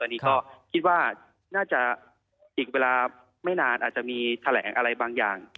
อันนี้ก็คิดว่าน่าจะอีกเวลาไม่นานอาจจะมีแถลงอะไรบางอย่าง